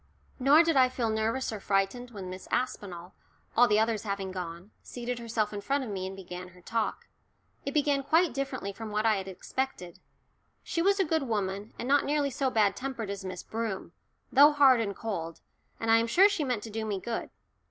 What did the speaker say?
Nor did I feel nervous or frightened when Miss Aspinall all the others having gone seated herself in front of me and began her talk. It began quite differently from what I had expected. She was a good woman, and not nearly so bad tempered as Miss Broom, though hard and cold, and I am sure she meant to do me good.